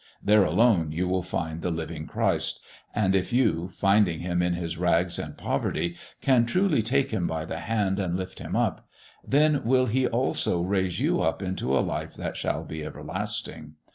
There alone you will find the living Christ, and if you, finding Him in His rags and poverty, can truly take Him by the hand and lift Him up, then will He also raise you up into a life that shall be everlasting.